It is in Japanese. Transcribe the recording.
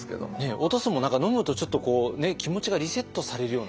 お屠蘇も何か飲むとちょっとこう気持ちがリセットされるような。